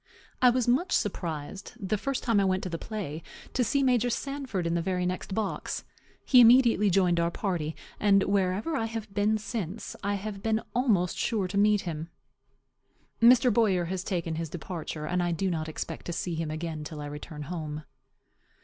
I was much surprised, the first time I went to the play, to see Major Sanford in the very next box. He immediately joined our party; and wherever I have been since, I have been almost sure to meet him. Mr. Boyer has taken his departure; and I do not expect to see him again till I return home.